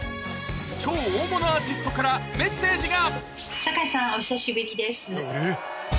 超大物アーティストからメッセージが